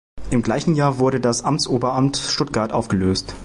Im gleichen Jahr wurde das Amtsoberamt Stuttgart aufgelöst.